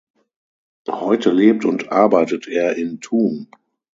Heute lebt und arbeitet er in Thun.